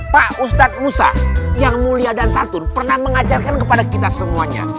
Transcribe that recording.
pak ustadz musa yang mulia dan satur pernah mengajarkan kepada kita semuanya